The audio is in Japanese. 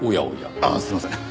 あっすみません。